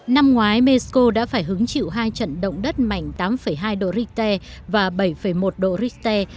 năm ngoái mexico đã phải hứng chịu hai trận động đất mạnh tám hai độ richter và bảy một độ richter